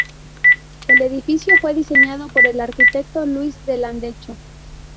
El edificio fue diseñado por el arquitecto Luis de Landecho.